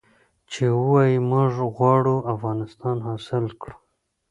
چې ووايي موږ غواړو افغانستان حاصل کړو.